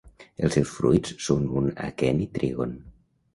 Els seus fruits són un aqueni trígon.